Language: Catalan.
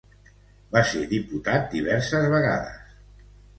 Va ser diputat diverses vegades.